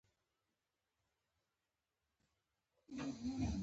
احمد د ټول کنډک غړي واېستل.